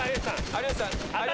有吉さん